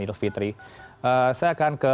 idul fitri saya akan ke